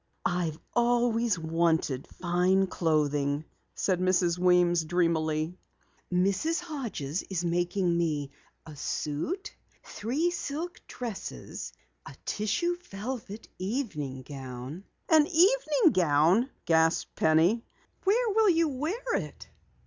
"I've always wanted fine clothing," said Mrs. Weems dreamily. "Mrs. Hodges is making me a suit, three silk dresses, a tissue velvet evening gown " "An evening gown!" Penny gasped. "Where will you wear it?"